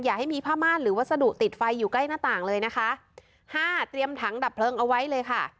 อย่าให้มีผ้าม่านหรือวัสดุติดไฟอยู่ใกล้หน้าต่างเลยนะคะห้าเตรียมถังดับเพลิงเอาไว้เลยค่ะ